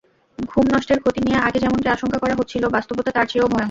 ঘুম নষ্টের ক্ষতি নিয়ে আগে যেমনটি আশঙ্কা করা হচ্ছিল, বাস্তবতা তার চেয়েও ভয়ংকর।